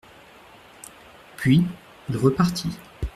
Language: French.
Puis, il repartit.